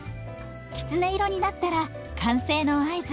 きつね色になったら完成の合図。